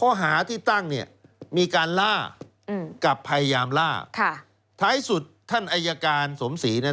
ข้อหาที่ตั้งเนี่ยมีการล่ากับพยายามล่าค่ะท้ายสุดท่านอายการสมศรีเนี่ย